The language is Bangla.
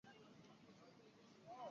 একটিতে দেবতা ব্রহ্মা পূজিত হতেন।